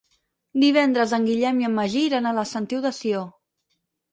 Divendres en Guillem i en Magí iran a la Sentiu de Sió.